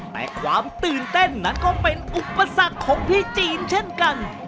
แต่ความตื่นเต้นนั้นก็เป็นอุปสรรคของพี่จีนเช่นกัน